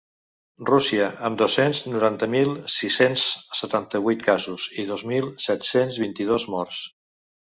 Rússia, amb dos-cents noranta mil sis-cents setanta-vuit casos i dos mil set-cents vint-i-dos morts.